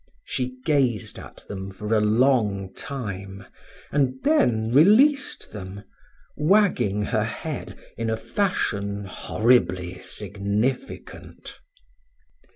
She gazed at them for a long time, and then released them, wagging her head in a fashion horribly significant.